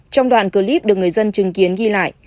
trong đoạn clip được người dân chứng kiến ghi lại